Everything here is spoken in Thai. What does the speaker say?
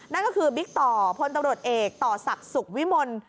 นั่นก็คือบิ๊กต่อพลตำรวจเอกต่อศักดิ์สุขวิมล